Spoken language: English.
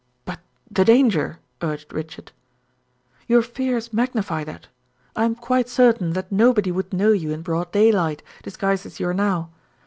"But the danger?" urged Richard. "Your fears magnify that. I am quite certain that nobody would know you in broad daylight, disguised as you are now.